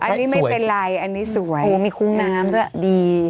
อันนี้ไม่เป็นไรอันนี้สวยโอ้มีคุ้งน้ำด้วยดี